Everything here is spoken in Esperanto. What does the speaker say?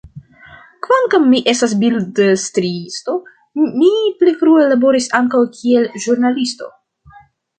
Kvankam mi estas bildstriisto, mi pli frue laboris ankaŭ kiel ĵurnalisto.